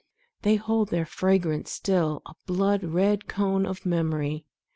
They hold their fragrance still, a blood red cone Of memory.